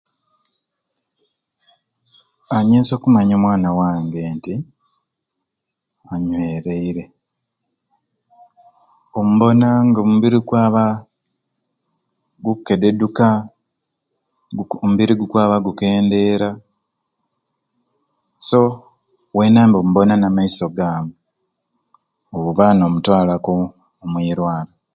Ahhh nyinza okumanya omwana wange nti anywereire omubona nga omubiri gukwaba gukededuka omubiri gukwaba gukendeera so weena mbe omubona namaiso gamu oba nomutwalaku omwirwaro.